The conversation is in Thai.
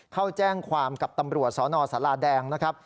เข้าแจ้งความกับตำรวจสนสาราแดงนะครับ